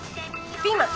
ピーマン。